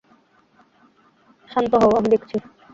শান্ত হও, আমি দেখছি।